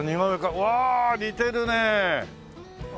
うわあ似てるね！